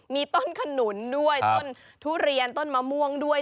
มีต้นขนุนด้วยต้นทุเรียนต้นมะม่วงด้วย